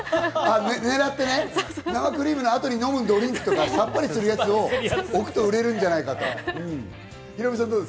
生クリームの後に飲むドリンクとか、さっぱりするやつを置くと売れるんじゃないかという。